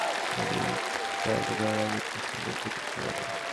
আমি চলে যাওয়ার আগে জেসের রুমটি দেখতে পারি?